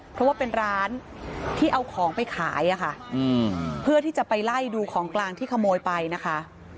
เพราะว่าเป็นร้านที่เอาของไปขายอะค่ะเพื่อที่จะไปไล่ดูของกลางที่ขโมยไปนะคะ